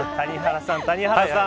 谷原さん